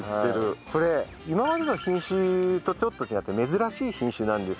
これ今までの品種とちょっと違って珍しい品種なんですけど。